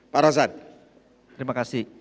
pak rosan terima kasih